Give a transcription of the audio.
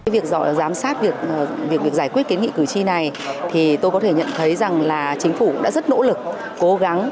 việc giám sát việc giải quyết kiến nghị cử tri này thì tôi có thể nhận thấy rằng là chính phủ cũng đã rất nỗ lực cố gắng